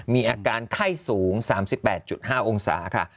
มีอาการไข้สูง๓๘๕องศาค่ะ